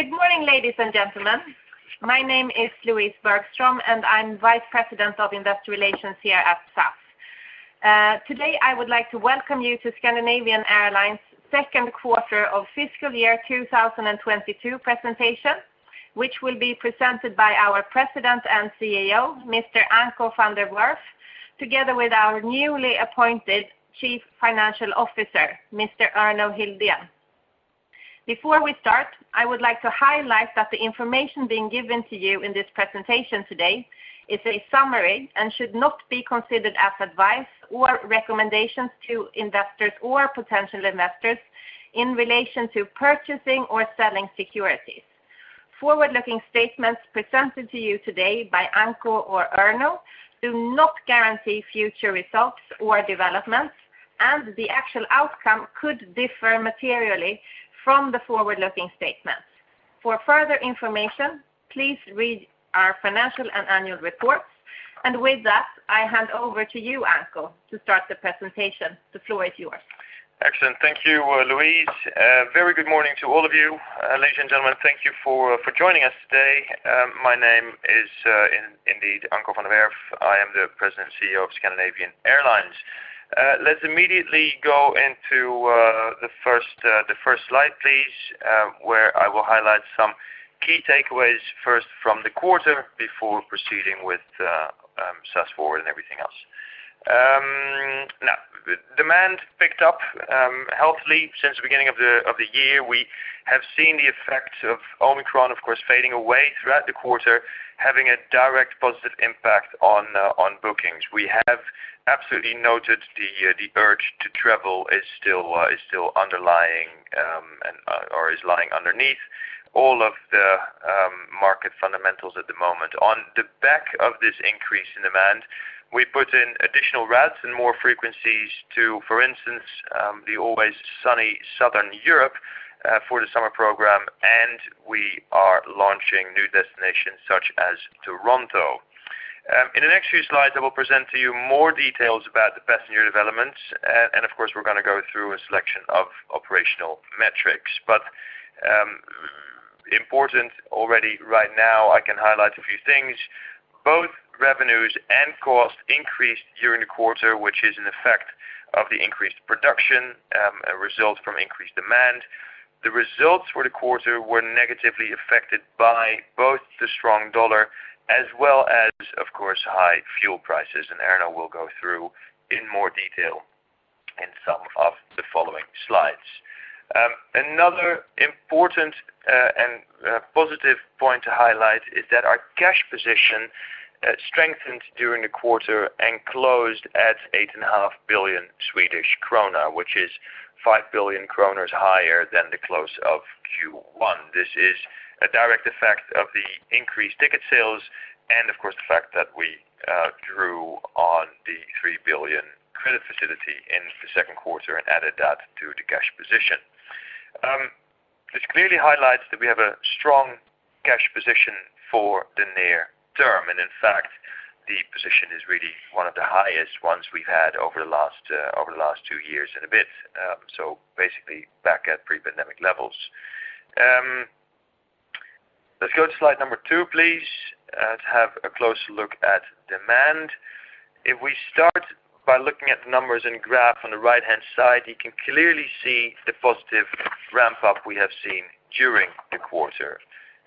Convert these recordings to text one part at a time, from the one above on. Good morning, ladies and gentlemen. My name is Louise Bergström, and I'm Vice President of Investor Relations here at SAS. Today I would like to welcome you to Scandinavian Airlines second quarter of fiscal year 2022 presentation, which will be presented by our President and CEO, Mr. Anko van der Werff, together with our newly appointed Chief Financial Officer, Mr. Erno Hildén. Before we start, I would like to highlight that the information being given to you in this presentation today is a summary and should not be considered as advice or recommendations to investors or potential investors in relation to purchasing or selling securities. Forward-looking statements presented to you today by Anko or Erno do not guarantee future results or developments, and the actual outcome could differ materially from the forward-looking statements. For further information, please read our financial and annual reports. With that, I hand over to you, Anko, to start the presentation. The floor is yours. Excellent. Thank you, Louise. Very good morning to all of you. Ladies and gentlemen, thank you for joining us today. My name is Anko van der Werff. I am the President and CEO of Scandinavian Airlines. Let's immediately go into the first slide, please, where I will highlight some key takeaways first from the quarter before proceeding with SAS FORWARD and everything else. Now demand picked up healthily since the beginning of the year. We have seen the effects of Omicron, of course, fading away throughout the quarter, having a direct positive impact on bookings. We have absolutely noted the urge to travel is still underlying or is lying underneath all of the market fundamentals at the moment. On the back of this increase in demand, we put in additional routes and more frequencies to, for instance, the always sunny Southern Europe, for the summer program, and we are launching new destinations such as Toronto. In the next few slides, I will present to you more details about the passenger developments. Of course, we're gonna go through a selection of operational metrics. Important already right now, I can highlight a few things. Both revenues and costs increased during the quarter, which is an effect of the increased production, a result from increased demand. The results for the quarter were negatively affected by both the strong US dollar as well as, of course, high fuel prices, and Erno will go through in more detail in some of the following slides. Another important and positive point to highlight is that our cash position strengthened during the quarter and closed at 8.5 billion Swedish krona, which is 5 billion kronor higher than the close of Q1. This is a direct effect of the increased ticket sales and of course the fact that we drew on the 3 billion credit facility in the second quarter and added that to the cash position. This clearly highlights that we have a strong cash position for the near term, and in fact, the position is really one of the highest ones we've had over the last two years and a bit, so basically back at pre-pandemic levels. Let's go to slide number two, please, to have a closer look at demand. If we start by looking at the numbers and graph on the right-hand side, you can clearly see the positive ramp-up we have seen during the quarter.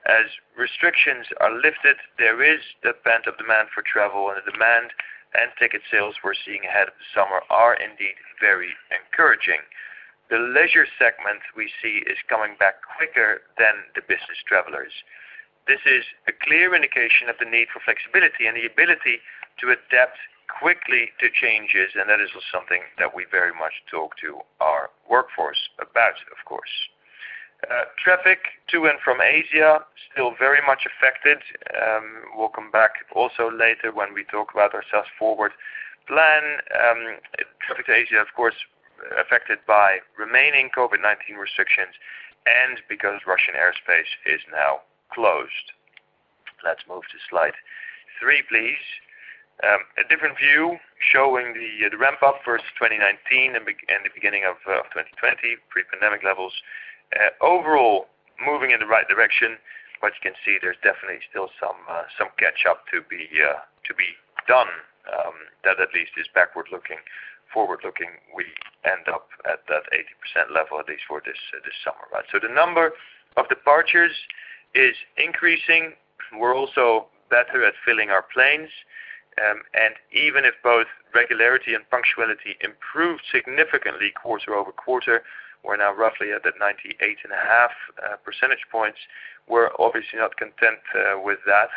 As restrictions are lifted, there is a pent-up demand for travel, and the demand and ticket sales we're seeing ahead of the summer are indeed very encouraging. The leisure segment we see is coming back quicker than the business travelers. This is a clear indication of the need for flexibility and the ability to adapt quickly to changes, and that is something that we very much talk to our workforce about, of course. Traffic to and from Asia, still very much affected. We'll come back also later when we talk about our SAS FORWARD plan. Traffic to Asia, of course, affected by remaining COVID-19 restrictions and because Russian airspace is now closed. Let's move to slide three, please. A different view showing the ramp-up versus 2019 and the beginning of 2020, pre-pandemic levels. Overall, moving in the right direction, but you can see there's definitely still some catch up to be done. That at least is backward-looking. Forward-looking, we end up at that 80% level at least for this summer, right? The number of departures is increasing. We're also better at filling our planes. Even if both regularity and punctuality improved significantly quarter-over-quarter, we're now roughly at that 98.5 percentage points. We're obviously not content with that.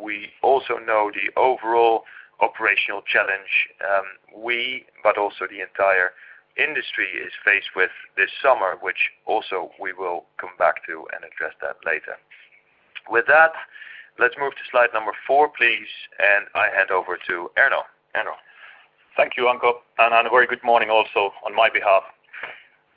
We also know the overall operational challenge, but also the entire industry is faced with this summer, which also we will come back to and address that later. With that, let's move to slide number four, please, and I hand over to Erno. Erno. Thank you, Anko, and a very good morning also on my behalf.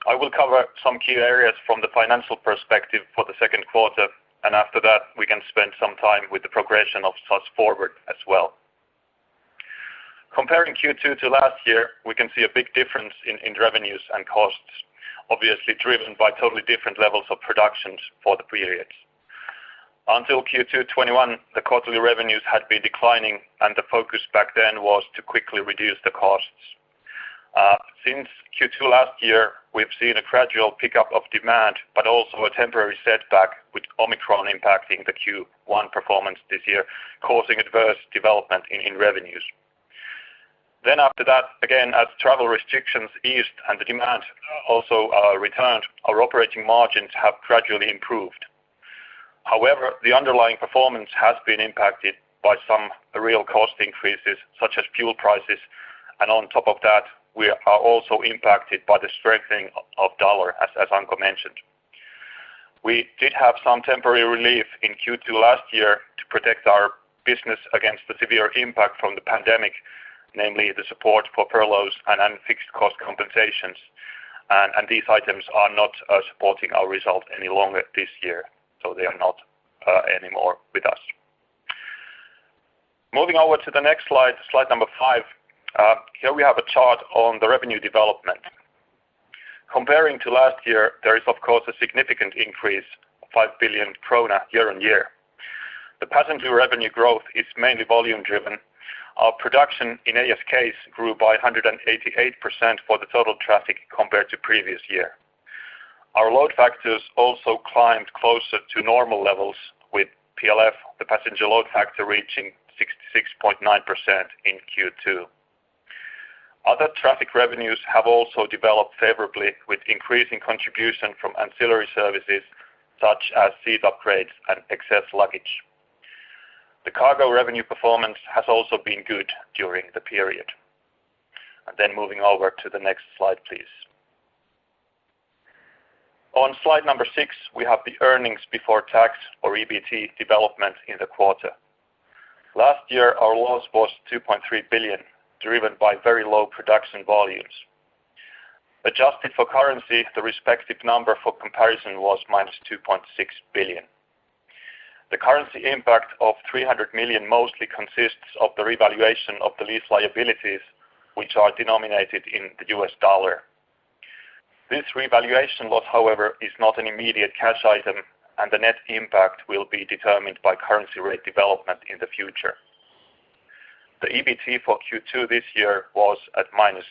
I will cover some key areas from the financial perspective for the second quarter, and after that, we can spend some time with the progression of SAS FORWARD as well. Comparing Q2 to last year, we can see a big difference in revenues and costs, obviously driven by totally different levels of productions for the periods. Until Q2 2021, the quarterly revenues had been declining, and the focus back then was to quickly reduce the costs. Since Q2 last year, we've seen a gradual pickup of demand, but also a temporary setback with Omicron impacting the Q1 performance this year, causing adverse development in revenues. After that, again, as travel restrictions eased and the demand also returned, our operating margins have gradually improved. However, the underlying performance has been impacted by some real cost increases, such as fuel prices, and on top of that, we are also impacted by the strengthening of dollar, as Anko mentioned. We did have some temporary relief in Q2 last year to protect our business against the severe impact from the pandemic, namely the support for furloughs and fixed cost compensations, and these items are not supporting our result any longer this year, so they are not anymore with us. Moving over to the next slide number five. Here we have a chart on the revenue development. Comparing to last year, there is of course a significant increase of 5 billion krona year-on-year. The passenger revenue growth is mainly volume driven. Our production in ASK grew by 188% for the total traffic compared to previous year. Our load factors also climbed closer to normal levels with PLF, the passenger load factor, reaching 66.9% in Q2. Other traffic revenues have also developed favorably with increasing contribution from ancillary services such as seat upgrades and excess luggage. The cargo revenue performance has also been good during the period. Moving over to the next slide, please. On slide number six, we have the earnings before tax or EBT development in the quarter. Last year, our loss was 2.3 billion, driven by very low production volumes. Adjusted for currency, the respective number for comparison was -2.6 billion. The currency impact of 300 million mostly consists of the revaluation of the lease liabilities, which are denominated in the US dollar. This revaluation loss, however, is not an immediate cash item, and the net impact will be determined by currency rate development in the future. The EBT for Q2 this year was at -1.6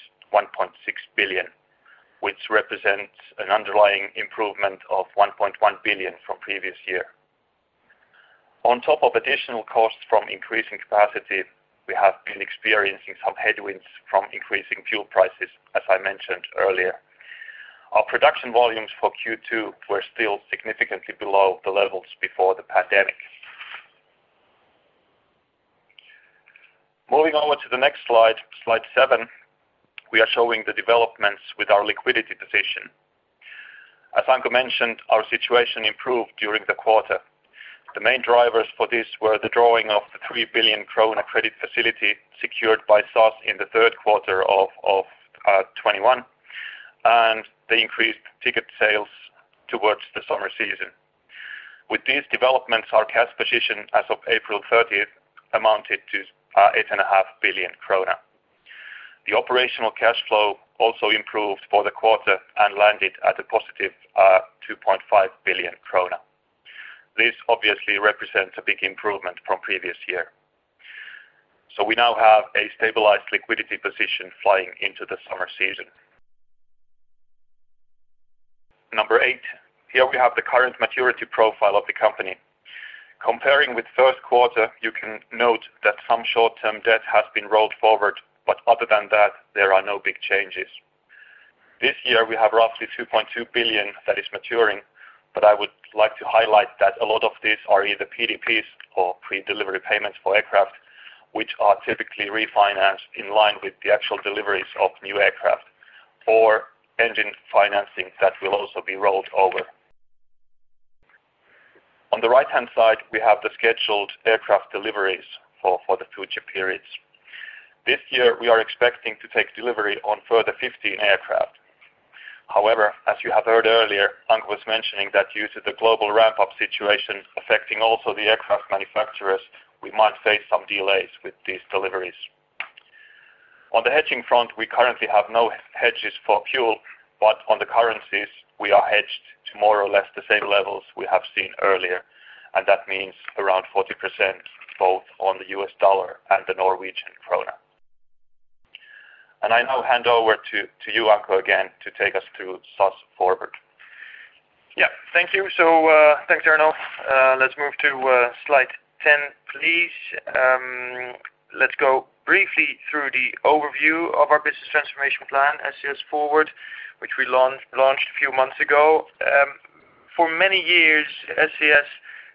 billion, which represents an underlying improvement of 1.1 billion from previous year. On top of additional costs from increasing capacity, we have been experiencing some headwinds from increasing fuel prices, as I mentioned earlier. Our production volumes for Q2 were still significantly below the levels before the pandemic. Moving over to the next slide seven, we are showing the developments with our liquidity position. As Anko mentioned, our situation improved during the quarter. The main drivers for this were the drawing of the 3 billion krona credit facility secured by SAS in the third quarter of 2021, and the increased ticket sales towards the summer season. With these developments, our cash position as of April 13th amounted to 8.5 billion krona. The operational cash flow also improved for the quarter and landed at a positive 2.5 billion krona. This obviously represents a big improvement from previous year. We now have a stabilized liquidity position flying into the summer season. Number 8, here we have the current maturity profile of the company. Comparing with first quarter, you can note that some short-term debt has been rolled forward, but other than that, there are no big changes. This year, we have roughly 2.2 billion that is maturing, but I would like to highlight that a lot of these are either PDPs or pre-delivery payments for aircraft, which are typically refinanced in line with the actual deliveries of new aircraft or engine financing that will also be rolled over. On the right-hand side, we have the scheduled aircraft deliveries for the future periods. This year, we are expecting to take delivery on further 15 aircraft. However, as you have heard earlier, Anko was mentioning that due to the global ramp-up situation affecting also the aircraft manufacturers, we might face some delays with these deliveries. On the hedging front, we currently have no hedges for fuel, but on the currencies, we are hedged to more or less the same levels we have seen earlier, and that means around 40% both on the US dollar and the Norwegian krona. I now hand over to you, Anko, again, to take us to SAS FORWARD. Yeah. Thank you. Thanks, Erno. Let's move to slide 10, please. Let's go briefly through the overview of our business transformation plan, SAS FORWARD, which we launched a few months ago. For many years, SAS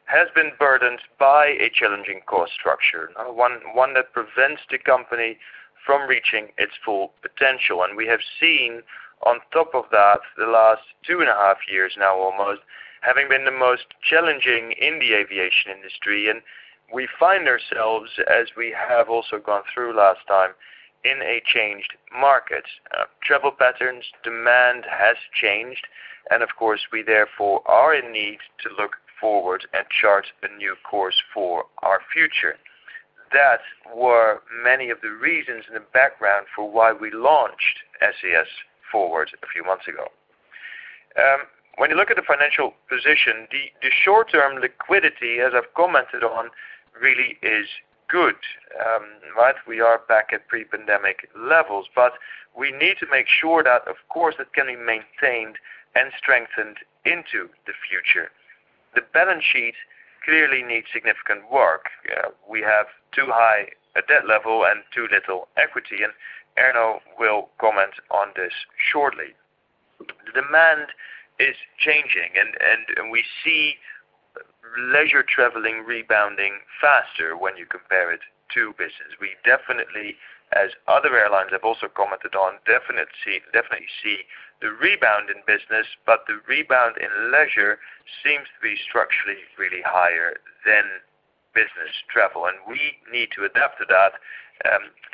has been burdened by a challenging cost structure. One that prevents the company from reaching its full potential. We have seen on top of that the last two and a half years now almost having been the most challenging in the aviation industry. We find ourselves, as we have also gone through last time, in a changed market. Travel patterns, demand has changed, and of course, we therefore are in need to look forward and chart a new course for our future. That were many of the reasons in the background for why we launched SAS FORWARD a few months ago. When you look at the financial position, the short-term liquidity, as I've commented on, really is good. Right? We are back at pre-pandemic levels. We need to make sure that, of course, it can be maintained and strengthened into the future. The balance sheet clearly needs significant work. We have too high a debt level and too little equity, and Erno will comment on this shortly. Demand is changing and we see leisure traveling rebounding faster when you compare it to business. We definitely, as other airlines have also commented on, definitely see the rebound in business, but the rebound in leisure seems to be structurally really higher than business travel. We need to adapt to that,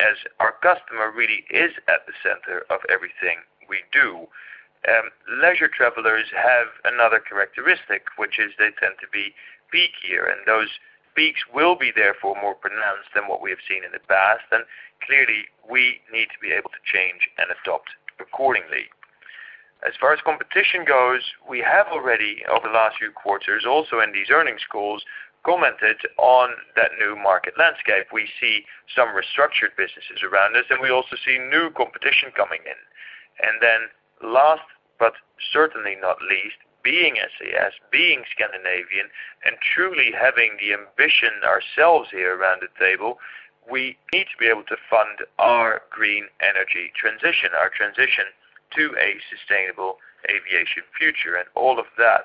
as our customer really is at the center of everything we do. Leisure travelers have another characteristic, which is they tend to be peakier, and those peaks will be therefore more pronounced than what we have seen in the past. Clearly, we need to be able to change and adopt accordingly. As far as competition goes, we have already, over the last few quarters, also in these earnings calls, commented on that new market landscape. We see some restructured businesses around us, and we also see new competition coming in. Last, but certainly not least, being SAS, being Scandinavian, and truly having the ambition ourselves here around the table, we need to be able to fund our green energy transition, our transition to a sustainable aviation future. All of that,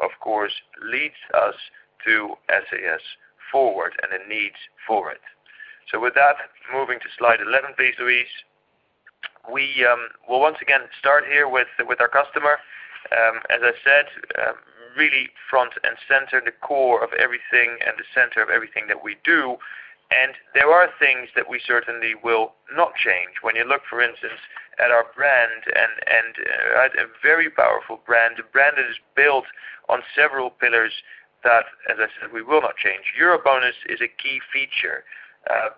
of course, leads us to SAS FORWARD and a need for it. With that, moving to slide 11, please, Louise. We will once again start here with our customer. As I said, really front and center, the core of everything and the center of everything that we do. There are things that we certainly will not change. When you look, for instance, at our brand and right, a very powerful brand, a brand that is built on several pillars that, as I said, we will not change. EuroBonus is a key feature.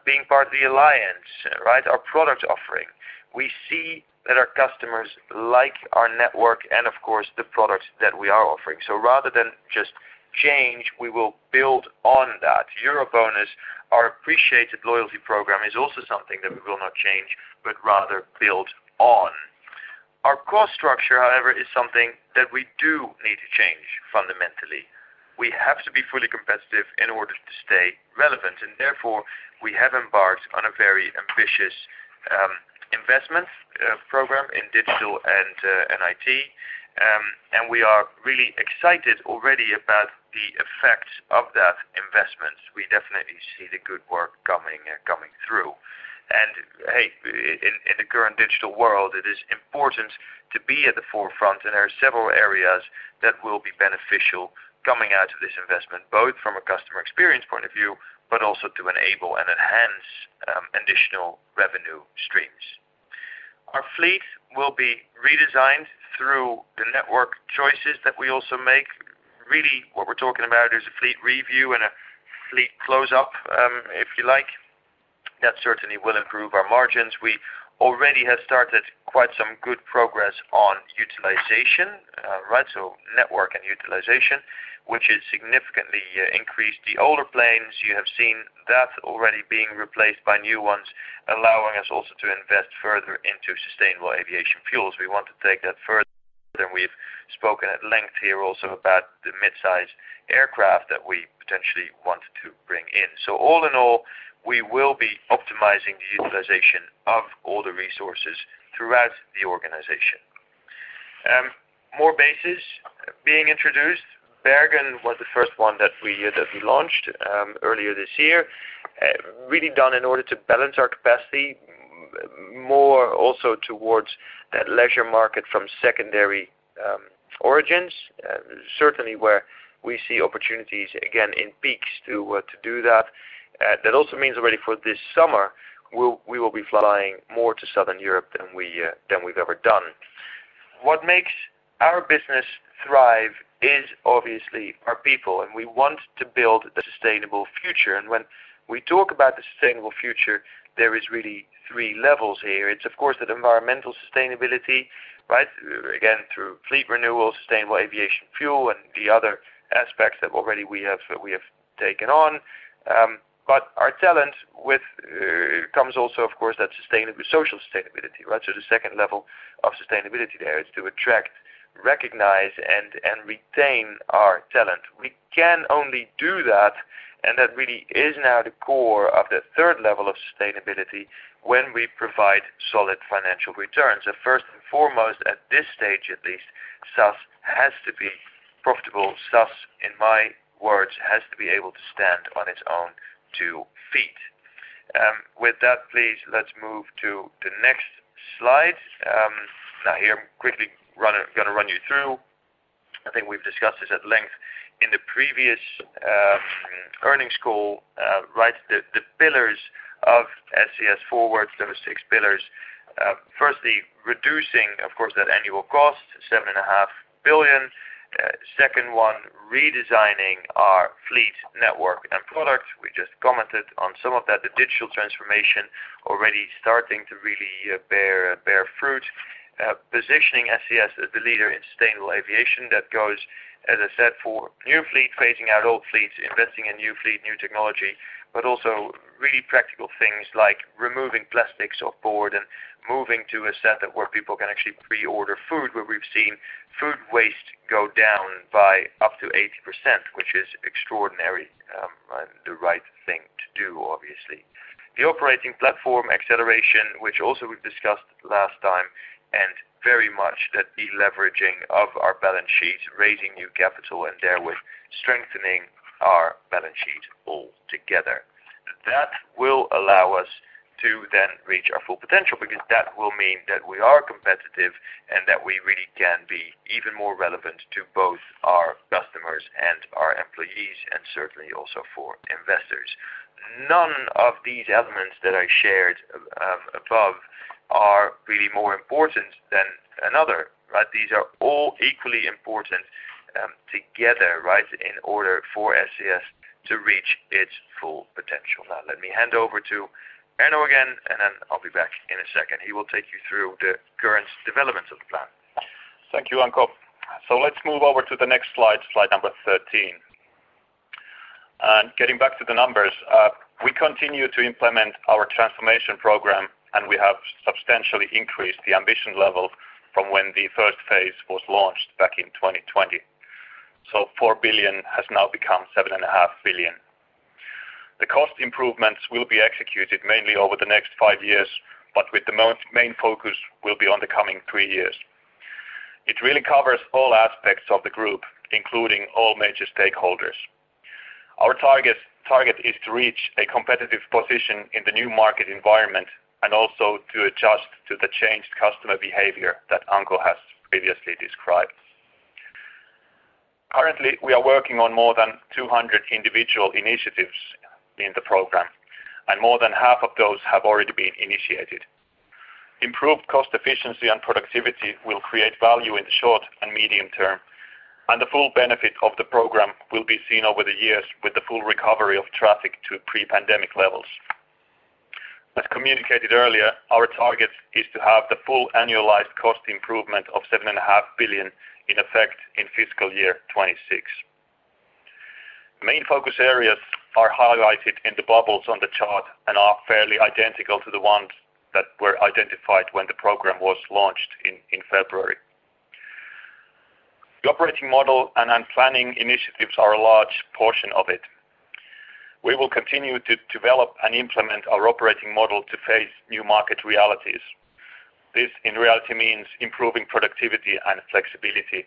Being part of the alliance, right? Our product offering. We see that our customers like our network and of course, the products that we are offering. Rather than just change, we will build on that. EuroBonus, our appreciated loyalty program, is also something that we will not change, but rather build on. Our cost structure, however, is something that we do need to change fundamentally. We have to be fully competitive in order to stay relevant, and therefore, we have embarked on a very ambitious investment program in digital and IT. We are really excited already about the effects of that investment. We definitely see the good work coming through. Hey, in the current digital world, it is important to be at the forefront, and there are several areas that will be beneficial coming out of this investment, both from a customer experience point of view, but also to enable and enhance additional revenue streams. Our fleet will be redesigned through the network choices that we also make. Really what we're talking about is a fleet review and a fleet close up, if you like. That certainly will improve our margins. We already have started quite some good progress on utilization, right? Network and utilization, which has significantly increased the older planes. You have seen that already being replaced by new ones, allowing us also to invest further into sustainable aviation fuels. We want to take that further, and we've spoken at length here also about the midsize aircraft that we potentially want to bring in. All in all, we will be optimizing the utilization of all the resources throughout the organization. More bases being introduced. Bergen was the first one that we launched earlier this year. Really done in order to balance our capacity more also towards that leisure market from secondary origins. Certainly, where we see opportunities again in peaks to do that. That also means already for this summer, we will be flying more to Southern Europe than we've ever done. What makes our business thrive is obviously our people, and we want to build the sustainable future. When we talk about the sustainable future, there is really three levels here. It's of course that environmental sustainability, right? Again, through fleet renewal, sustainable aviation fuel and the other aspects that already we have, we have taken on. But our talent which comes also, of course, with social sustainability, right? The second level of sustainability there is to attract, recognize, and retain our talent. We can only do that, and that really is now the core of the third level of sustainability when we provide solid financial returns. First and foremost, at this stage at least, SAS has to be profitable. SAS, in my words, has to be able to stand on its own two feet. With that, please, let's move to the next slide. Now here, I'm gonna run you through. I think we've discussed this at length in the previous earnings call, right? The pillars of SAS FORWARD. There were six pillars. Firstly, reducing, of course, that annual cost, 7.5 billion. The second one, redesigning our fleet network and product. We just commented on some of that, the digital transformation already starting to really bear fruit. Positioning SAS as the leader in sustainable aviation, that goes, as I said, for new fleet, phasing out old fleets, investing in new fleet, new technology. Also really practical things like removing plastics on board and moving to a setup where people can actually pre-order food, where we've seen food waste go down by up to 80%, which is extraordinary, and the right thing to do, obviously. The operating platform acceleration, which also we discussed last time, and very much the deleveraging of our balance sheet, raising new capital, and therewith strengthening our balance sheet all together. That will allow us to then reach our full potential because that will mean that we are competitive and that we really can be even more relevant to both our customers and our employees, and certainly also for investors. None of these elements that I shared above are really more important than another. These are all equally important together, right, in order for SAS to reach its full potential. Now, let me hand over to Erno again, and then I'll be back in a second. He will take you through the current developments of the plan. Thank you, Anko. Let's move over to the next slide number 13. Getting back to the numbers, we continue to implement our transformation program, and we have substantially increased the ambition level from when the first phase was launched back in 2020. 4 billion has now become 7.5 billion. The cost improvements will be executed mainly over the next five years, but with the main focus will be on the coming three years. It really covers all aspects of the group, including all major stakeholders. Our target is to reach a competitive position in the new market environment and also to adjust to the changed customer behavior that Anko has previously described. Currently, we are working on more than 200 individual initiatives in the program, and more than half of those have already been initiated. Improved cost efficiency and productivity will create value in the short and medium term, and the full benefit of the program will be seen over the years with the full recovery of traffic to pre-pandemic levels. As communicated earlier, our target is to have the full annualized cost improvement of 7.5 billion in effect in fiscal year 2026. Main focus areas are highlighted in the bubbles on the chart and are fairly identical to the ones that were identified when the program was launched in February. The operating model and planning initiatives are a large portion of it. We will continue to develop and implement our operating model to face new market realities. This, in reality, means improving productivity and flexibility.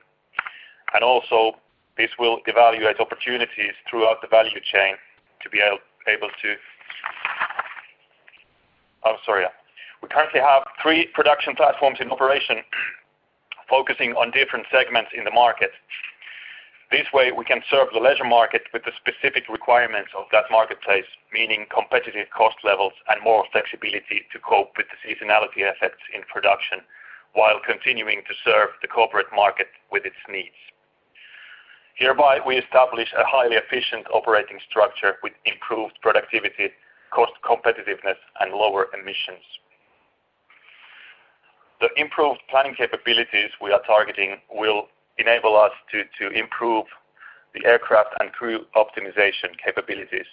Also, this will evaluate opportunities throughout the value chain to be able to. We currently have three production platforms in operation focusing on different segments in the market. This way, we can serve the leisure market with the specific requirements of that marketplace, meaning competitive cost levels and more flexibility to cope with the seasonality effects in production while continuing to serve the corporate market with its needs. Hereby, we establish a highly efficient operating structure with improved productivity, cost competitiveness, and lower emissions. The improved planning capabilities we are targeting will enable us to improve the aircraft and crew optimization capabilities.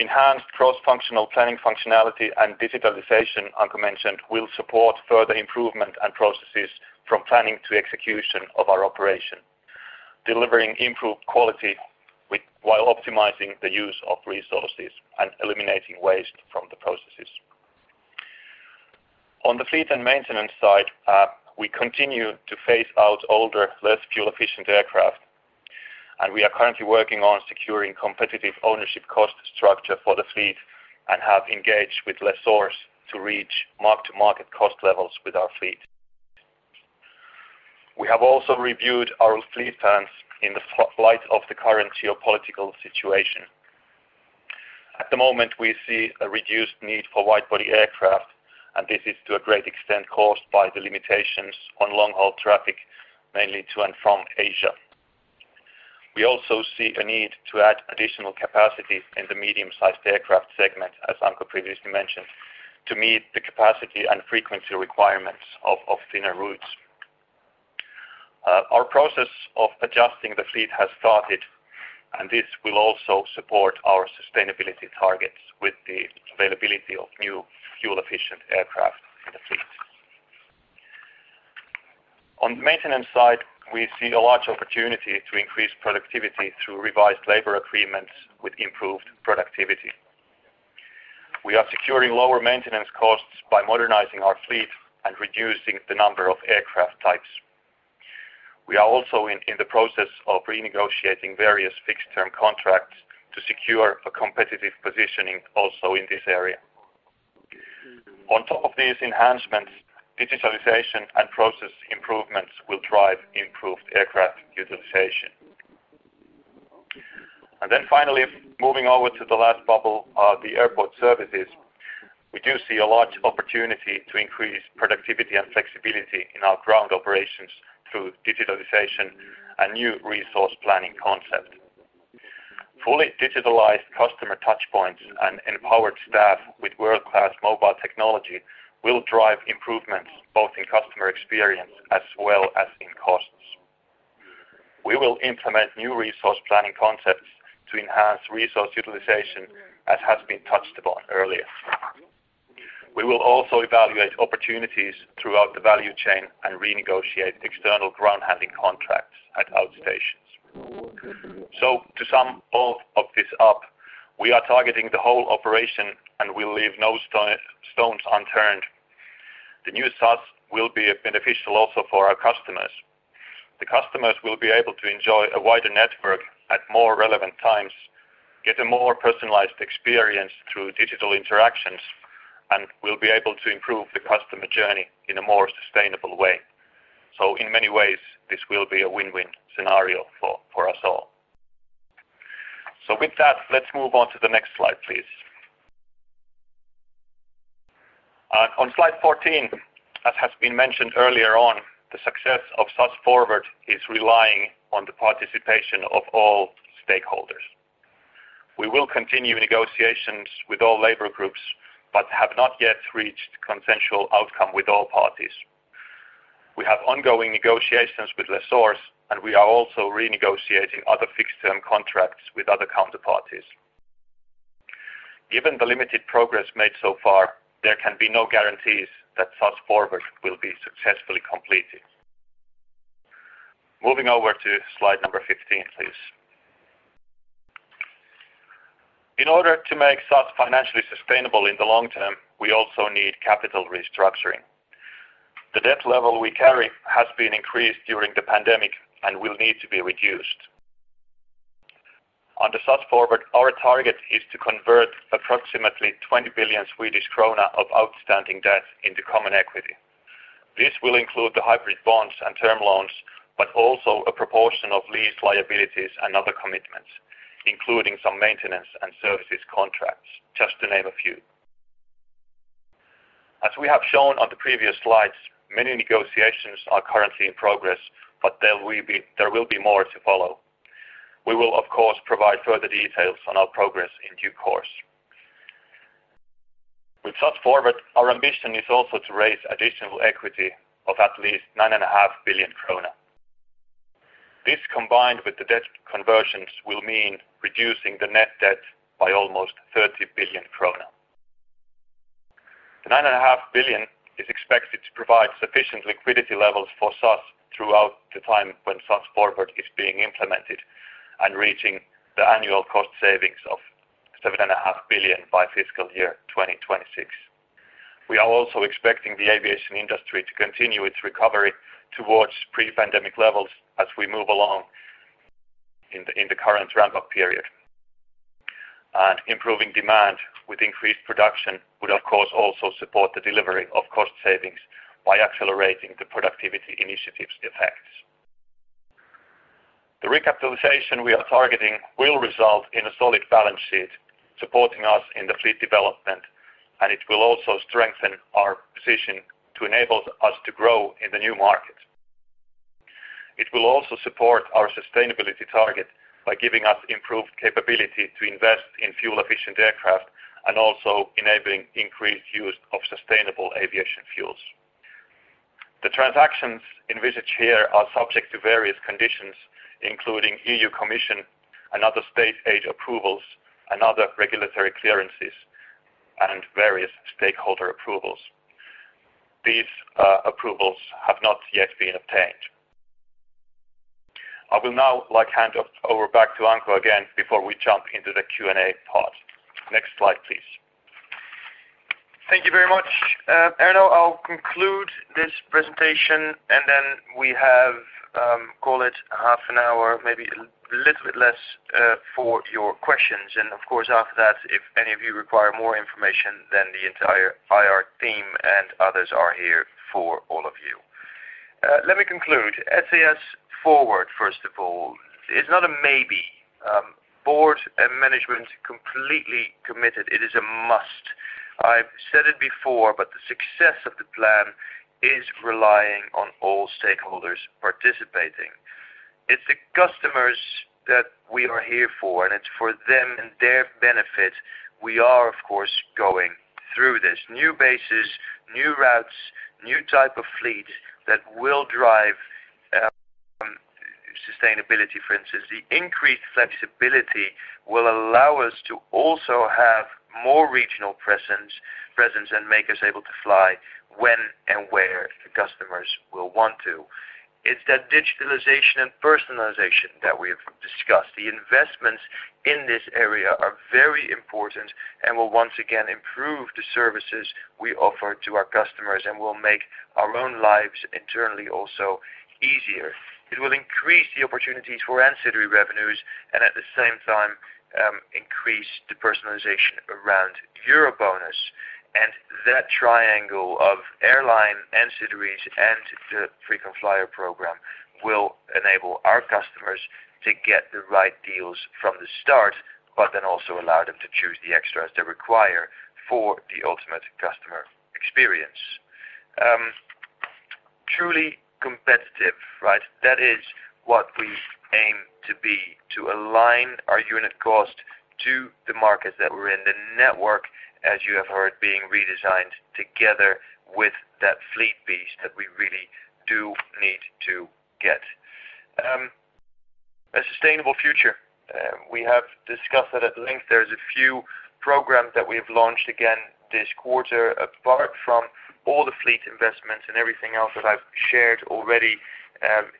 Enhanced cross-functional planning functionality and digitalization, Anko mentioned, will support further improvement and processes from planning to execution of our operation, delivering improved quality while optimizing the use of resources and eliminating waste from the processes. On the fleet and maintenance side, we continue to phase out older, less fuel-efficient aircraft, and we are currently working on securing competitive ownership cost structure for the fleet and have engaged with lessors to reach mark-to-market cost levels with our fleet. We have also reviewed our fleet plans in the light of the current geopolitical situation. At the moment, we see a reduced need for wide-body aircraft, and this is to a great extent caused by the limitations on long-haul traffic, mainly to and from Asia. We also see a need to add additional capacity in the medium-sized aircraft segment, as Anko previously mentioned, to meet the capacity and frequency requirements of thinner routes. Our process of adjusting the fleet has started, and this will also support our sustainability targets with the availability of new fuel-efficient aircraft in the fleet. On the maintenance side, we see a large opportunity to increase productivity through revised labor agreements with improved productivity. We are securing lower maintenance costs by modernizing our fleet and reducing the number of aircraft types. We are also in the process of renegotiating various fixed-term contracts to secure a competitive positioning also in this area. On top of these enhancements, digitalization and process improvements will drive improved aircraft utilization. Finally moving over to the last bubble, the airport services. We do see a large opportunity to increase productivity and flexibility in our ground operations through digitalization and new resource planning concept. Fully digitalized customer touch points and empowered staff with world-class mobile technology will drive improvements both in customer experience as well as in costs. We will implement new resource planning concepts to enhance resource utilization, as has been touched upon earlier. We will also evaluate opportunities throughout the value chain and renegotiate external ground handling contracts at outstations. To sum all of this up, we are targeting the whole operation, and we leave no stones unturned. The new SAS will be beneficial also for our customers. The customers will be able to enjoy a wider network at more relevant times, get a more personalized experience through digital interactions, and will be able to improve the customer journey in a more sustainable way. In many ways, this will be a win-win scenario for us all. With that, let's move on to the next slide, please. On slide 14, as has been mentioned earlier on, the success of SAS FORWARD is relying on the participation of all stakeholders. We will continue negotiations with all labor groups, but have not yet reached consensual outcome with all parties. We have ongoing negotiations with lessors, and we are also renegotiating other fixed-term contracts with other counterparties. Given the limited progress made so far, there can be no guarantees that SAS FORWARD will be successfully completed. Moving over to slide number 15, please. In order to make SAS financially sustainable in the long term, we also need capital restructuring. The debt level we carry has been increased during the pandemic and will need to be reduced. Under SAS FORWARD, our target is to convert approximately 20 billion Swedish krona of outstanding debt into common equity. This will include the hybrid bonds and term loans, but also a proportion of lease liabilities and other commitments, including some maintenance and services contracts, just to name a few. As we have shown on the previous slides, many negotiations are currently in progress, but there will be more to follow. We will of course provide further details on our progress in due course. With SAS FORWARD, our ambition is also to raise additional equity of at least 9.5 billion krona. This, combined with the debt conversions, will mean reducing the net debt by almost 30 billion krona. The 9.5 billion is expected to provide sufficient liquidity levels for SAS throughout the time when SAS FORWARD is being implemented and reaching the annual cost savings of 7.5 billion by fiscal year 2026. We are also expecting the aviation industry to continue its recovery towards pre-pandemic levels as we move along in the current ramp-up period. Improving demand with increased production would of course also support the delivery of cost savings by accelerating the productivity initiatives effects. The recapitalization we are targeting will result in a solid balance sheet supporting us in the fleet development, and it will also strengthen our position to enable us to grow in the new market. It will also support our sustainability target by giving us improved capability to invest in fuel efficient aircraft and also enabling increased use of sustainable aviation fuels. The transactions envisaged here are subject to various conditions, including European Commission and other state aid approvals and other regulatory clearances and various stakeholder approvals. These approvals have not yet been obtained. I will now like to hand over back to Anko again before we jump into the Q&A part. Next slide, please. Thank you very much, Erno. I'll conclude this presentation, and then we have call it half an hour, maybe a little bit less, for your questions. Of course, after that, if any of you require more information, then the entire IR team and others are here for all of you. Let me conclude. SAS FORWARD, first of all, is not a maybe. Board and management completely committed. It is a must. I've said it before, but the success of the plan is relying on all stakeholders participating. It's the customers that we are here for, and it's for them and their benefit we are of course going through this. New bases, new routes, new type of fleet that will drive sustainability. For instance, the increased flexibility will allow us to also have more regional presence and make us able to fly when and where the customers will want to. It's that digitalization and personalization that we have discussed. The investments in this area are very important and will once again improve the services we offer to our customers and will make our own lives internally also easier. It will increase the opportunities for ancillary revenues and at the same time, increase the personalization around EuroBonus and that triangle of airline and city reach and the frequent flyer program will enable our customers to get the right deals from the start, but then also allow them to choose the extras they require for the ultimate customer experience. Truly competitive, right? That is what we aim to be, to align our unit cost to the markets that we're in. The network, as you have heard, being redesigned together with that fleet piece that we really do need to get. A sustainable future. We have discussed that at length. There's a few programs that we have launched again this quarter, apart from all the fleet investments and everything else that I've shared already.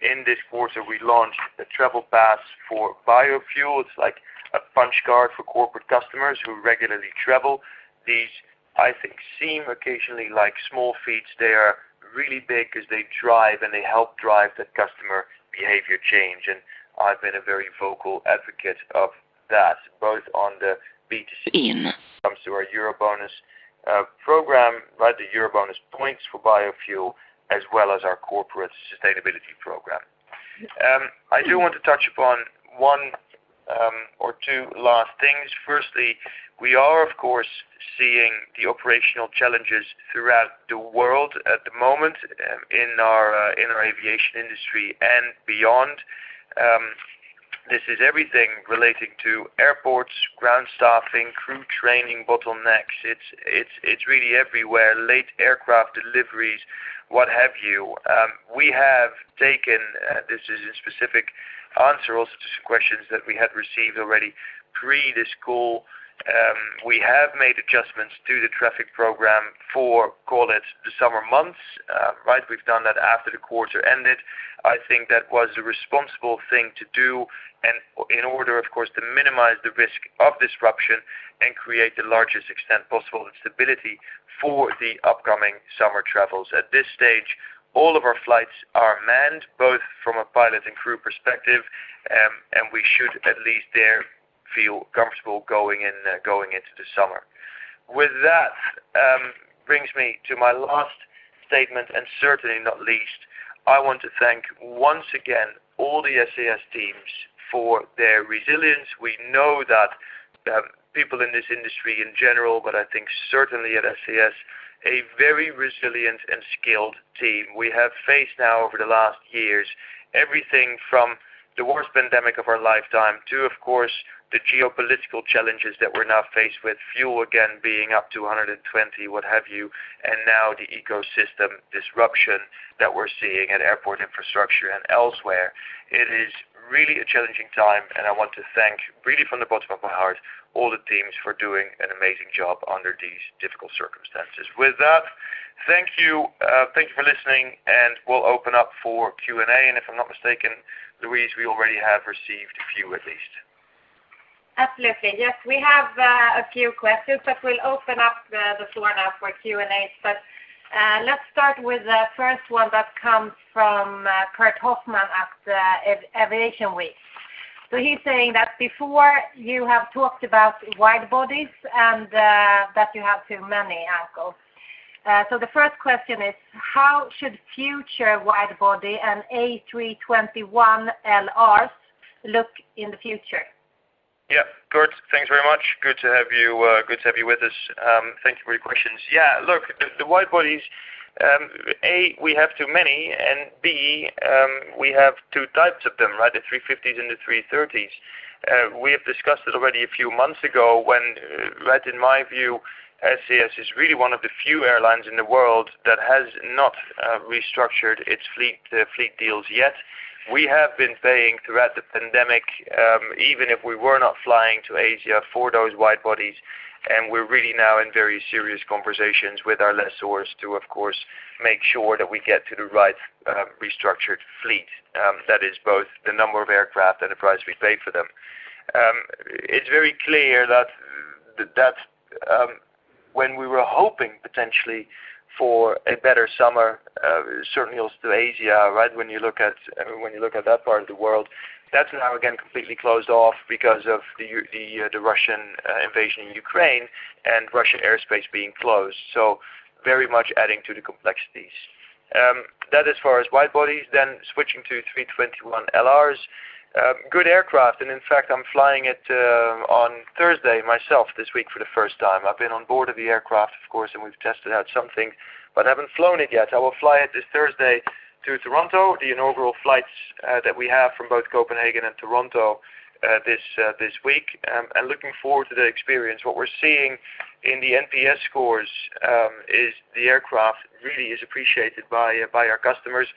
In this quarter, we launched the Travel Pass Biofuel. It's like a punch card for corporate customers who regularly travel. These, I think, seem occasionally like small feats. They are really big because they drive and they help drive that customer behavior change. I've been a very vocal advocate of that, both on the B2C when it comes to our EuroBonus program, right? The EuroBonus points for biofuel, as well as our corporate sustainability program. I do want to touch upon one, or two last things. Firstly, we are, of course, seeing the operational challenges throughout the world at the moment in our aviation industry and beyond. This is everything relating to airports, ground staffing, crew training, bottlenecks. It's really everywhere. Late aircraft deliveries, what have you. We have taken, this is a specific answer also to some questions that we had received already pre this call. We have made adjustments to the traffic program for, call it, the summer months, right? We've done that after the quarter ended. I think that was a responsible thing to do and in order, of course, to minimize the risk of disruption and create the largest extent possible and stability for the upcoming summer travels. At this stage, all of our flights are manned, both from a pilot and crew perspective, and we should at least there feel comfortable going in, going into the summer. With that, brings me to my last statement, and certainly not least, I want to thank once again all the SAS teams for their resilience. We know that, people in this industry in general, but I think certainly at SAS, a very resilient and skilled team. We have faced now over the last years everything from the worst pandemic of our lifetime to, of course, the geopolitical challenges that we're now faced with, fuel again being up to 120, what have you, and now the ecosystem disruption that we're seeing at airport infrastructure and elsewhere. It is really a challenging time, and I want to thank, really, from the bottom of my heart all the teams for doing an amazing job under these difficult circumstances. With that, thank you. Thank you for listening, and we'll open up for Q&A. If I'm not mistaken, Louise, we already have received a few at least. Absolutely. Yes, we have a few questions, but we'll open up the floor now for Q&A. Let's start with the first one that comes from Kurt Hofmann at Aviation Week. He's saying that before you have talked about wide bodies and that you have too many, Anko. The first question is, how should future wide body and A321LRs look in the future? Yeah, Kurt, thanks very much. Good to have you, good to have you with us. Thank you for your questions. Yeah, look, the wide bodies, A, we have too many, and B, we have two types of them, right? The 350s and the 330s. We have discussed it already a few months ago when, right in my view, SAS is really one of the few airlines in the world that has not, restructured its fleet, the fleet deals yet. We have been paying throughout the pandemic, even if we were not flying to Asia for those wide bodies, and we're really now in very serious conversations with our lessors to, of course, make sure that we get to the right, restructured fleet. That is both the number of aircraft and the price we pay for them. It's very clear that when we were hoping potentially for a better summer, certainly also to Asia, right? When you look at that part of the world, that's now again completely closed off because of the Russian invasion in Ukraine and Russian airspace being closed. Very much adding to the complexities. As far as wide bodies, then switching to A321LRs. Good aircraft, and in fact, I'm flying it on Thursday myself this week for the first time. I've been on board of the aircraft, of course, and we've tested out something, but I haven't flown it yet. I will fly it this Thursday to Toronto, the inaugural flights that we have from both Copenhagen and Toronto, this week, and looking forward to the experience. What we're seeing in the NPS scores is the aircraft really is appreciated by our customers.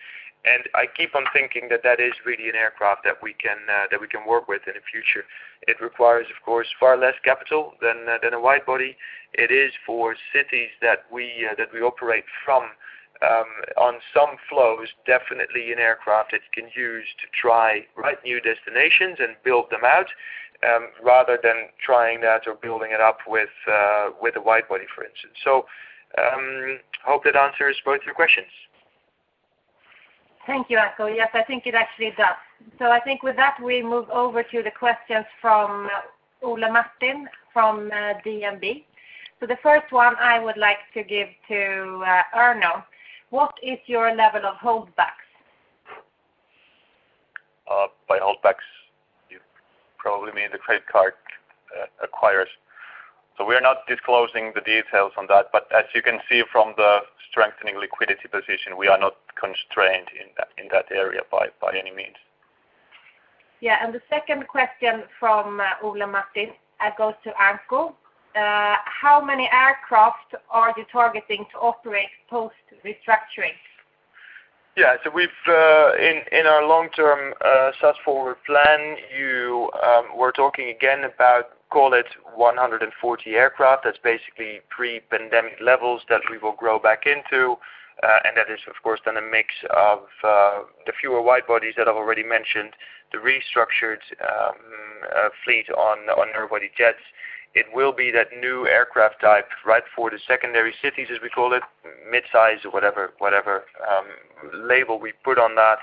I keep on thinking that is really an aircraft that we can work with in the future. It requires, of course, far less capital than a wide body. It is for cities that we operate from on some flows, definitely an aircraft it can use to try right new destinations and build them out rather than trying that or building it up with a wide body, for instance. Hope that answers both your questions. Thank you, Anko. Yes, I think it actually does. I think with that, we move over to the questions from Ole Martin from DNB. The first one I would like to give to Erno, what is your level of holdbacks? By holdbacks, you probably mean the credit card acquirers. We are not disclosing the details on that, but as you can see from the strengthening liquidity position, we are not constrained in that area by any means. The second question from Ole Martin goes to Anko. How many aircraft are you targeting to operate post-restructuring? Yeah. We've in our long-term SAS FORWARD plan, we're talking again about call it 140 aircraft. That's basically pre-pandemic levels that we will grow back into. That is, of course, then a mix of the fewer wide bodies that I've already mentioned, the restructured fleet on narrow body jets. It will be that new aircraft type, right, for the secondary cities, as we call it, midsize or whatever label we put on that.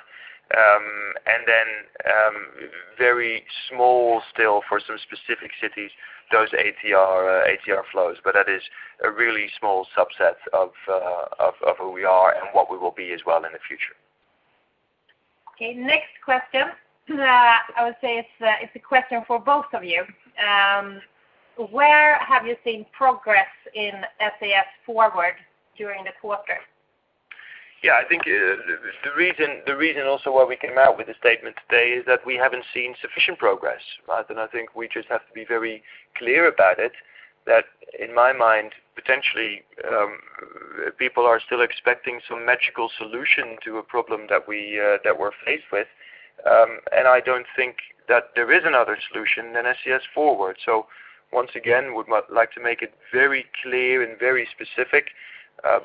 Very small still for some specific cities, those ATR flows. That is a really small subset of who we are and what we will be as well in the future. Okay. Next question, I would say it's a question for both of you. Where have you seen progress in SAS FORWARD during the quarter? Yeah. I think the reason also why we came out with the statement today is that we haven't seen sufficient progress, right? I think we just have to be very clear about it, that in my mind, potentially, people are still expecting some magical solution to a problem that we're faced with. I don't think that there is another solution than SAS FORWARD. Once again, would like to make it very clear and very specific,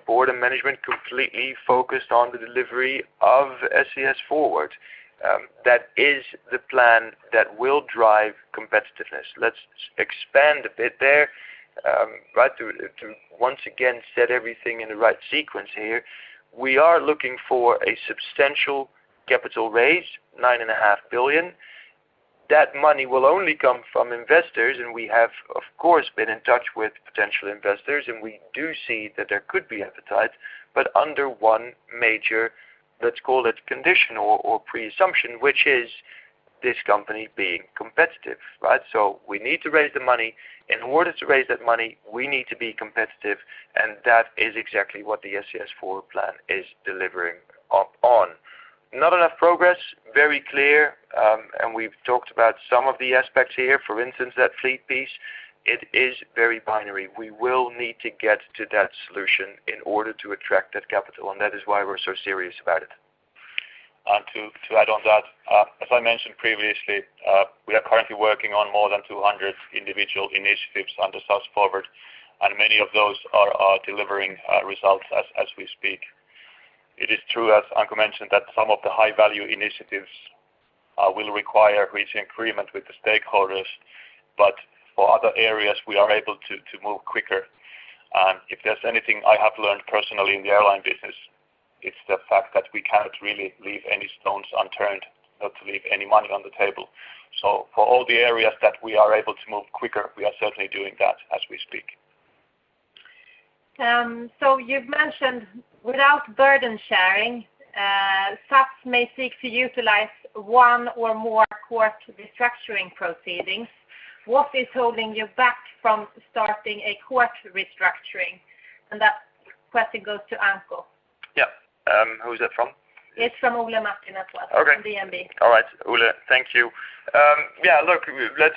board and management completely focused on the delivery of SAS FORWARD. That is the plan that will drive competitiveness. Let's expand a bit there, right, to once again set everything in the right sequence here. We are looking for a substantial capital raise, 9.5 billion. That money will only come from investors, and we have, of course, been in touch with potential investors, and we do see that there could be appetite, but under one major, let's call it conditional or preassumption, which is this company being competitive, right? We need to raise the money. In order to raise that money, we need to be competitive, and that is exactly what the SAS FORWARD plan is delivering on. Not enough progress, very clear, and we've talked about some of the aspects here, for instance, that fleet piece. It is very binary. We will need to get to that solution in order to attract that capital, and that is why we're so serious about it. To add on that, as I mentioned previously, we are currently working on more than 200 individual initiatives under SAS FORWARD, and many of those are delivering results as we speak. It is true, as Anko mentioned, that some of the high-value initiatives will require reaching agreement with the stakeholders. For other areas, we are able to move quicker. If there's anything I have learned personally in the airline business, it's the fact that we cannot really leave any stones unturned, not to leave any money on the table. For all the areas that we are able to move quicker, we are certainly doing that as we speak. You've mentioned without burden sharing, SAS may seek to utilize one or more court restructuring proceedings. What is holding you back from starting a court restructuring? That question goes to Anko. Yeah. Who is that from? It's from Ole Martin as well. From DNB. All right. Ola, thank you. Yeah, look, let's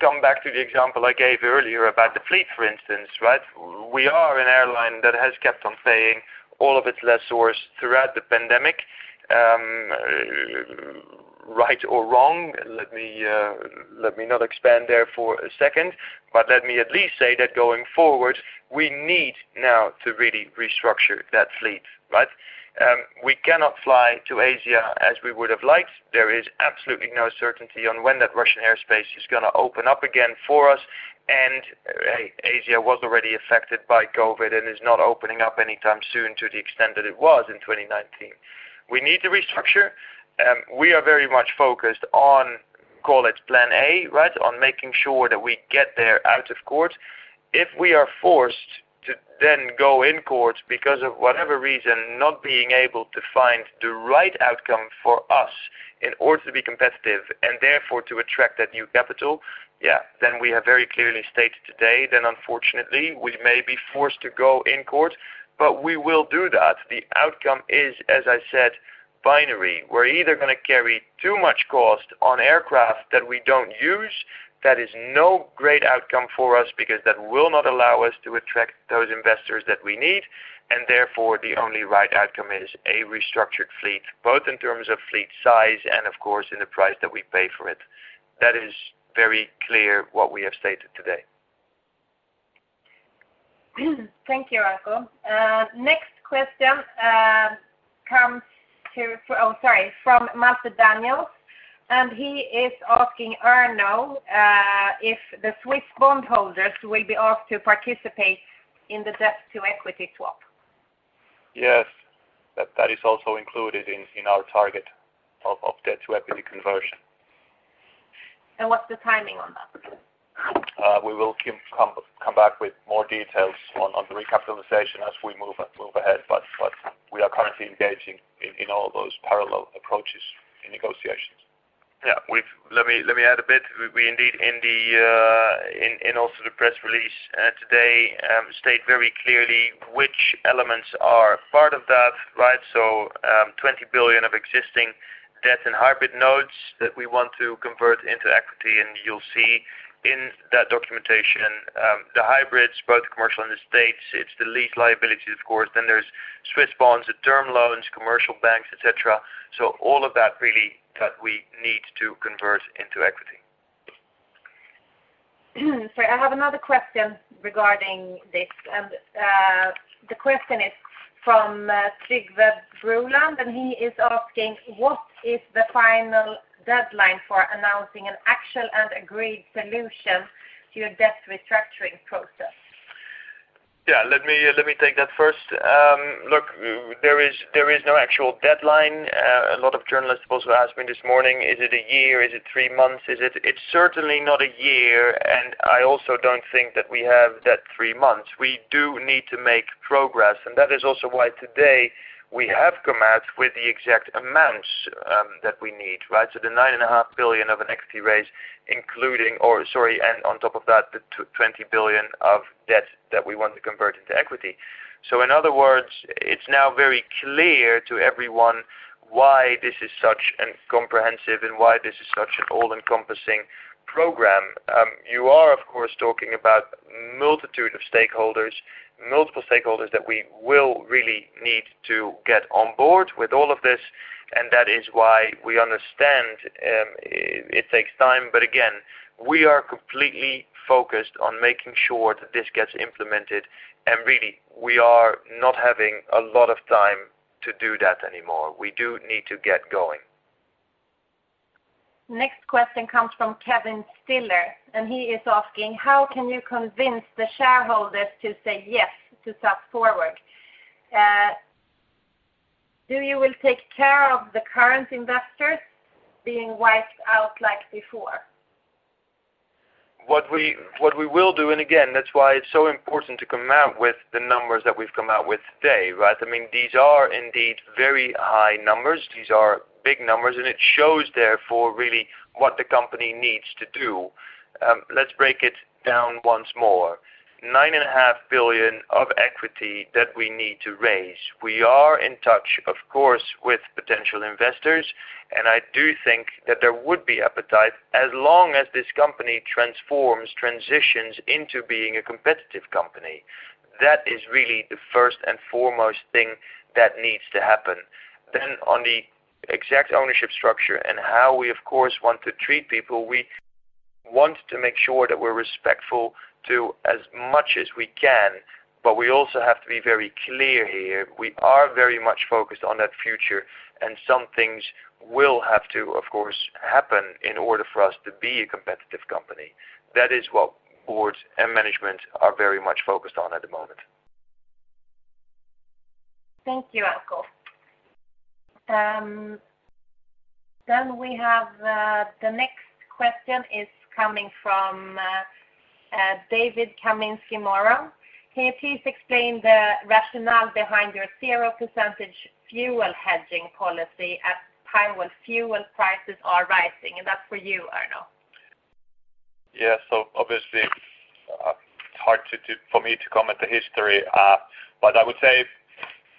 come back to the example I gave earlier about the fleet, for instance, right? We are an airline that has kept on paying all of its lessors throughout the pandemic, right or wrong. Let me not expand there for a second, but let me at least say that going forward, we need now to really restructure that fleet, right? We cannot fly to Asia as we would have liked. There is absolutely no certainty on when that Russian airspace is gonna open up again for us. Asia was already affected by COVID and is not opening up anytime soon to the extent that it was in 2019. We need to restructure. We are very much focused on, call it plan A, right, on making sure that we get there out of court. If we are forced to then go in court because of whatever reason, not being able to find the right outcome for us in order to be competitive and therefore to attract that new capital, yeah, then we have very clearly stated today, then unfortunately, we may be forced to go in court, but we will do that. The outcome is, as I said, binary. We're either gonna carry too much cost on aircraft that we don't use. That is no great outcome for us because that will not allow us to attract those investors that we need. Therefore, the only right outcome is a restructured fleet, both in terms of fleet size and of course, in the price that we pay for it. That is very clear what we have stated today. Thank you, Anko. Next question from [Martha Daniels]. He is asking Erno if the Swiss bondholders will be asked to participate in the debt to equity swap. Yes. That is also included in our target of debt to equity conversion. What's the timing on that? We will come back with more details on the recapitalization as we move ahead, but we are currently engaging in all those parallel approaches in negotiations. Yeah. Let me add a bit. We indeed also in the press release today state very clearly which elements are part of that, right? 20 billion of existing debt and hybrid notes that we want to convert into equity, and you'll see in that documentation, the hybrids, both commercial and states. It's the state liability, of course. Then there's Swiss bonds, the term loans, commercial banks, et cetera. All of that really that we need to convert into equity. Sorry, I have another question regarding this. The question is from [Sigve Bruland], and he is asking: What is the final deadline for announcing an actual and agreed solution to your debt restructuring process? Yeah. Let me take that first. Look, there is no actual deadline. A lot of journalists also asked me this morning, is it a year? Is it three months? It's certainly not a year, and I also don't think that we have that three months. We do need to make progress, and that is also why today we have come out with the exact amounts that we need, right? The 9.5 billion of an equity raise, and on top of that, the 20 billion of debt that we want to convert into equity. In other words, it's now very clear to everyone why this is such a comprehensive and why this is such an all-encompassing program You are, of course, talking about multitude of stakeholders, multiple stakeholders that we will really need to get on board with all of this, and that is why we understand it takes time. Again, we are completely focused on making sure that this gets implemented. Really, we are not having a lot of time to do that anymore. We do need to get going. Next question comes from [Kevin Stiller], and he is asking: How can you convince the shareholders to say yes to SAS FORWARD? Do you will take care of the current investors being wiped out like before? What we will do, and again, that's why it's so important to come out with the numbers that we've come out with today, right? I mean, these are indeed very high numbers. These are big numbers, and it shows therefore really what the company needs to do. Let's break it down once more. 9.5 billion of equity that we need to raise. We are in touch, of course, with potential investors, and I do think that there would be appetite as long as this company transforms, transitions into being a competitive company. That is really the first and foremost thing that needs to happen. On the exact ownership structure and how we of course want to treat people, we want to make sure that we're respectful to as much as we can, but we also have to be very clear here. We are very much focused on that future, and some things will have to, of course, happen in order for us to be a competitive company. That is what boards and management are very much focused on at the moment. Thank you, Anko. We have the next question coming from [David Kaminski-Morrow]. Can you please explain the rationale behind your 0% fuel hedging policy at a time when fuel prices are rising? That's for you, Erno. Obviously, it's hard for me to comment the history. I would say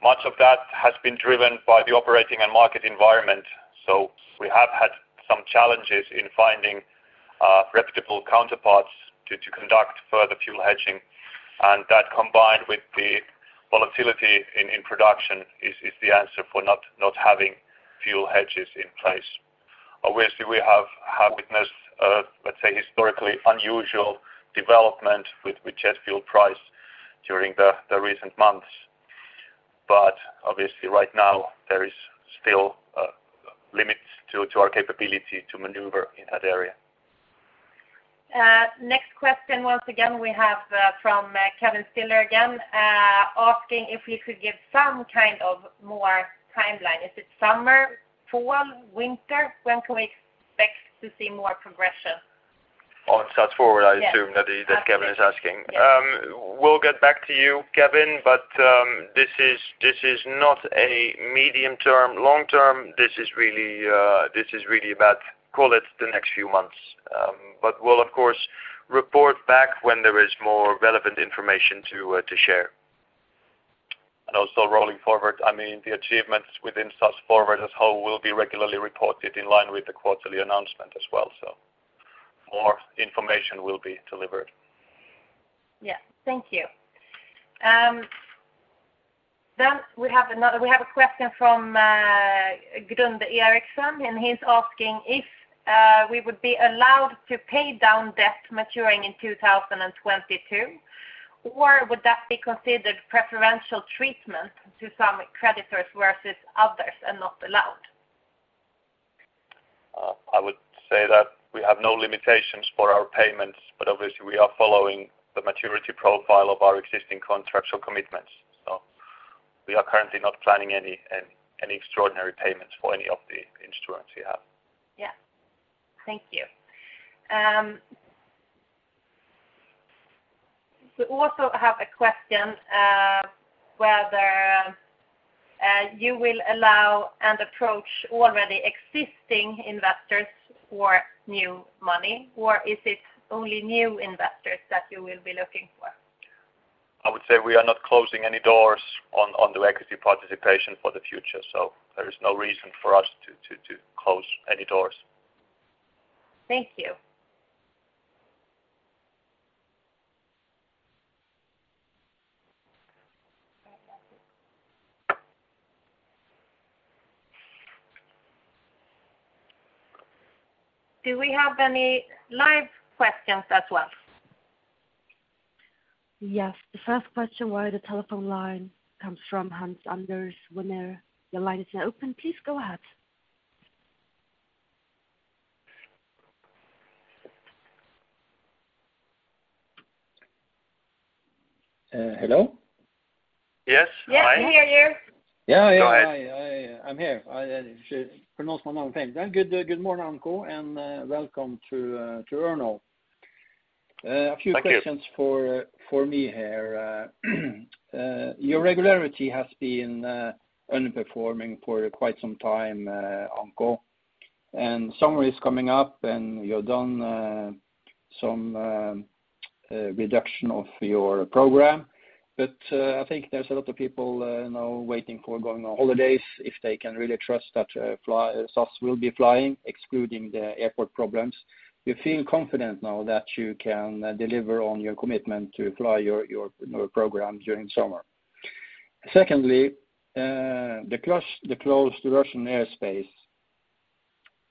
much of that has been driven by the operating and market environment. We have had some challenges in finding reputable counterparts to conduct further fuel hedging. That combined with the volatility in production is the answer for not having fuel hedges in place. Obviously, we have witnessed, let's say, historically unusual development with jet fuel price during the recent months. Obviously right now there is still limits to our capability to maneuver in that area. Next question, once again we have from Kevin Stiller again asking if we could give some kind of more timeline. Is it summer, fall, winter? When can we expect to see more progression? On SAS FORWARD, I assume. That Kevin Stiller is asking. Yes. We'll get back to you, Kevin Stiller, but this is not a medium-term, long-term. This is really about, call it the next few months. We'll of course report back when there is more relevant information to share. Also rolling forward, I mean, the achievements within SAS FORWARD as a whole will be regularly reported in line with the quarterly announcement as well. More information will be delivered. Yeah. Thank you. We have a question from [Gunnar Eriksson], and he's asking if we would be allowed to pay down debt maturing in 2022. Would that be considered preferential treatment to some creditors versus others and not allowed? I would say that we have no limitations for our payments, but obviously we are following the maturity profile of our existing contractual commitments. We are currently not planning any extraordinary payments for any of the instruments we have. Yeah. Thank you. We also have a question whether you will allow an approach to already existing investors for new money, or is it only new investors that you will be looking for? I would say we are not closing any doors on the equity participation for the future, so there is no reason for us to close any doors. Thank you. Do we have any live questions as well? Yes. The first question via the telephone line comes from [Hans Anders Winner]. Your line is now open. Please go ahead. Hello? Yes. Hi. Yes, we hear you. Go ahead. I'm here. I should pronounce my name okay. Good morning, Anko, and welcome to Erno. Thank you. A few questions for me here. Your regularity has been underperforming for quite some time, Anko. Summer is coming up, and you've done some reduction of your program. I think there's a lot of people now waiting for going on holidays if they can really trust that SAS will be flying, excluding the airport problems. Do you feel confident now that you can deliver on your commitment to fly your you know program during summer? Secondly, the closed Russian airspace,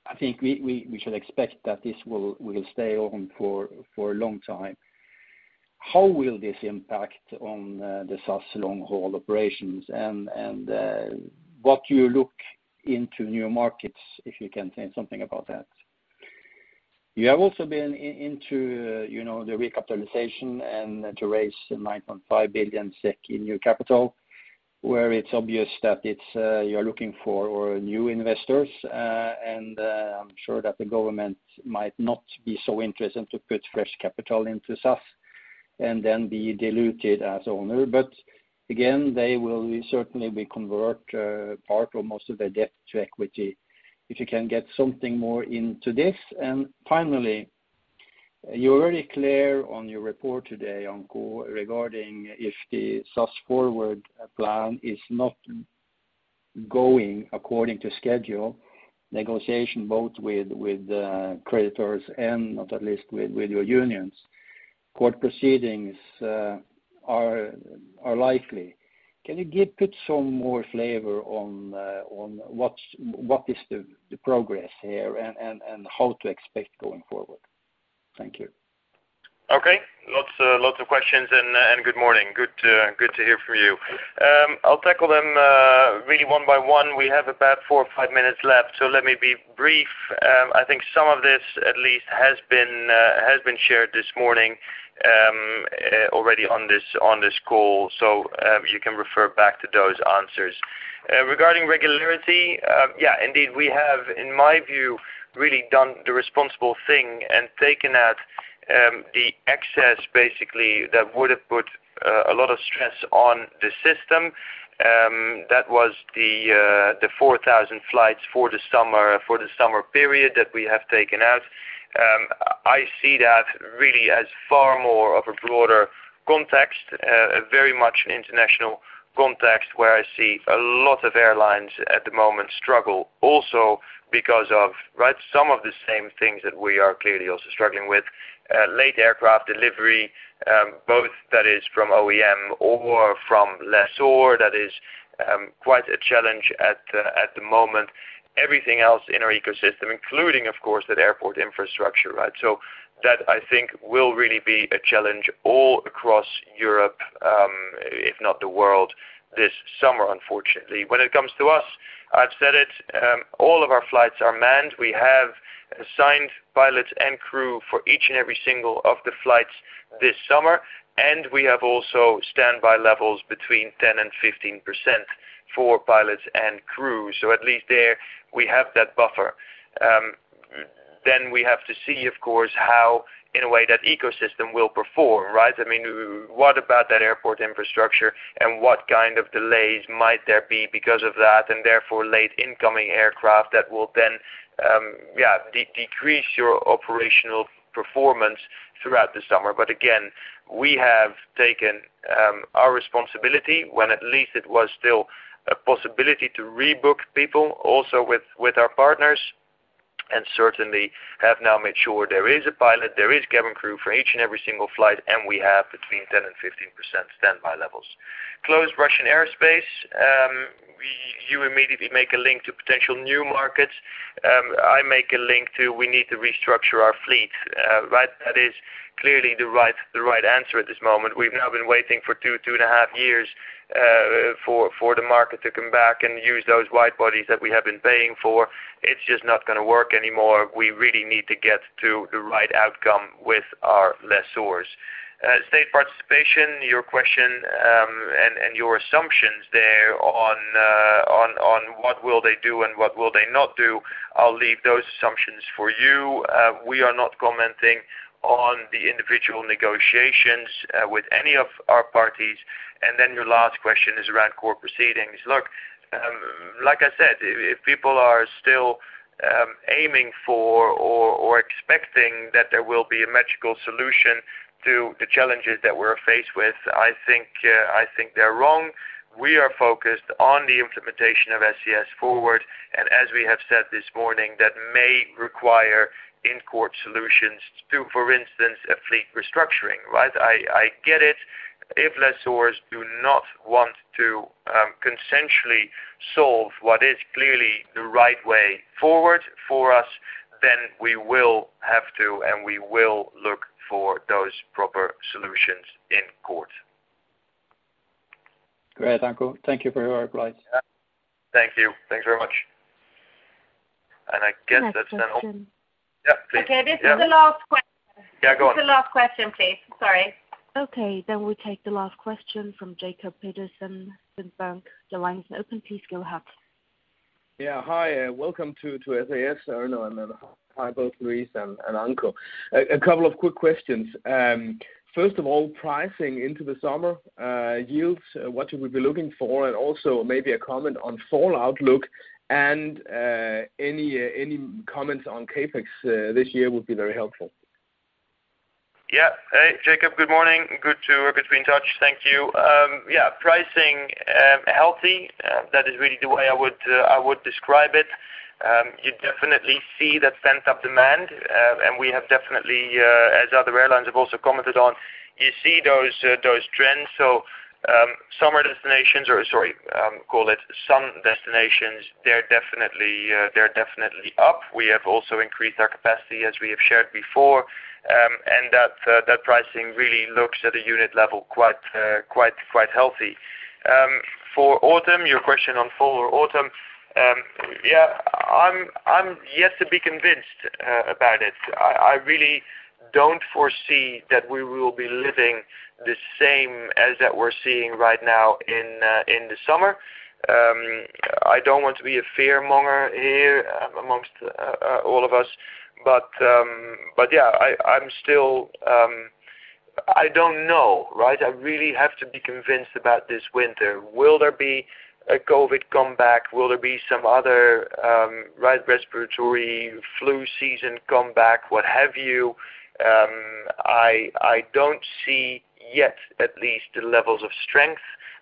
I think we should expect that this will stay on for a long time. How will this impact on the SAS long-haul operations, and what you look into new markets, if you can say something about that? You have also been into, you know, the recapitalization and to raise 9.5 billion SEK in new capital, where it's obvious that it's you're looking for new investors. I'm sure that the government might not be so interested to put fresh capital into SAS and then be diluted as owner. They will certainly convert part or most of their debt to equity. If you can get something more into this. Finally, you're very clear on your report today, Anko, regarding if the SAS FORWARD plan is not going according to schedule, negotiation both with creditors and not least with your unions. Court proceedings are likely. Can you put some more flavor on what is the progress here and how to expect going forward? Thank you. Okay. Lots of questions and good morning. Good to hear from you. I'll tackle them really one by one. We have about four or five minutes left, so let me be brief. I think some of this at least has been shared this morning already on this call. You can refer back to those answers. Regarding regularity, indeed, we have, in my view, really done the responsible thing and taken out the excess basically that would have put a lot of stress on the system. That was the 4,000 flights for the summer period that we have taken out. I see that really as far more of a broader context, a very much international context where I see a lot of airlines at the moment struggle also because of, right, some of the same things that we are clearly also struggling with. Late aircraft delivery, both that is from OEM or from lessor. That is quite a challenge at the moment. Everything else in our ecosystem, including of course that airport infrastructure, right? So that I think will really be a challenge all across Europe, if not the world this summer, unfortunately. When it comes to us, I've said it, all of our flights are manned. We have assigned pilots and crew for each and every single of the flights this summer, and we have also standby levels between 10% and 15% for pilots and crew. At least there we have that buffer. We have to see, of course, how in a way that ecosystem will perform, right? I mean, what about that airport infrastructure and what kind of delays might there be because of that, and therefore, late incoming aircraft that will then decrease your operational performance throughout the summer. Again, we have taken our responsibility when at least it was still a possibility to rebook people also with our partners, and certainly have now made sure there is a pilot, there is cabin crew for each and every single flight, and we have between 10% and 15% standby levels. Closed Russian airspace, we. You immediately make a link to potential new markets. I make a link to we need to restructure our fleet. But that is clearly the right answer at this moment. We've now been waiting for two and a half years for the market to come back and use those wide bodies that we have been paying for. It's just not gonna work anymore. We really need to get to the right outcome with our lessors. State participation, your question, and your assumptions there on what will they do and what will they not do, I'll leave those assumptions for you. We are not commenting on the individual negotiations with any of our parties. Then your last question is around court proceedings. Look, like I said, if people are still aiming for or expecting that there will be a magical solution to the challenges that we're faced with, I think they're wrong. We are focused on the implementation of SAS FORWARD, and as we have said this morning, that may require in-court solutions to, for instance, a fleet restructuring, right? I get it. If lessors do not want to consensually solve what is clearly the right way forward for us, then we will have to, and we will look for those proper solutions in court. Great, Anko. Thank you for your replies. Thank you. Thanks very much. I guess that's then all. Next question. Yeah, please. Yeah. Okay, this is the last question. Yeah, go on. This is the last question, please. Sorry. .Okay, we take the last question from Jacob Pedersen, Sydbank. Your line is open. Please go ahead. Yeah. Hi, welcome to SAS, Erno, and then hi both Louise and Anko. A couple of quick questions. First of all, pricing into the summer, yields, what should we be looking for? Also maybe a comment on fall outlook and any comments on CapEx this year would be very helpful. Yeah. Hey, Jacob, good morning. Good to be in touch. Thank you. Yeah, pricing healthy, that is really the way I would describe it. You definitely see the pent-up demand, and we have definitely, as other airlines have also commented on, you see those trends. Some destinations, they're definitely up. We have also increased our capacity as we have shared before. That pricing really looks at a unit level quite healthy. For autumn, your question on fall or autumn, yeah, I'm yet to be convinced about it. I really don't foresee that we will be living the same as that we're seeing right now in the summer. I don't want to be a fearmonger here among all of us, but yeah, I'm still. I don't know, right? I really have to be convinced about this winter. Will there be a COVID-19 comeback? Will there be some other right respiratory flu season comeback, what have you? I don't see yet at least the levels of strength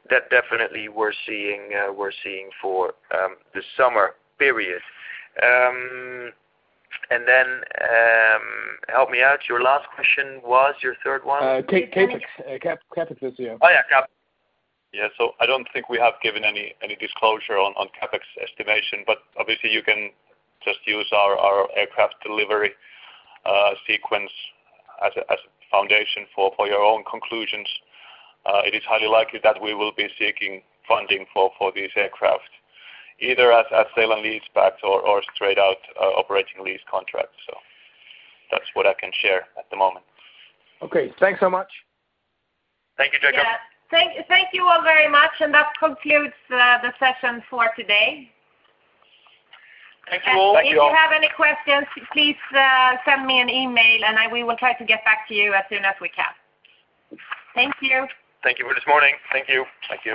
that definitely we're seeing for the summer period. Then, help me out. Your last question was your third one? CapEx this year. Oh, yeah, CapEx. Yeah. I don't think we have given any disclosure on CapEx estimation, but obviously you can just use our aircraft delivery sequence as a foundation for your own conclusions. It is highly likely that we will be seeking funding for these aircraft, either as sale and leasebacks or straight out operating lease contracts. That's what I can share at the moment. Okay, thanks so much. Thank you, Jacob. Yeah. Thank you all very much. That concludes the session for today. Thank you all. If you have any questions, please send me an email, and we will try to get back to you as soon as we can. Thank you. Thank you for this morning. Thank you. Thank you.